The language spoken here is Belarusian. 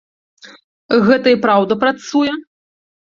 Гэта і праўда працуе?